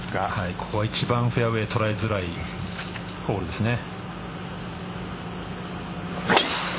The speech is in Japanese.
ここは一番フェアウェイ捉えづらいホールですね。